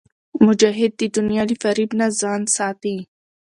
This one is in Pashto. مجاهد د دنیا له فریب نه ځان ساتي.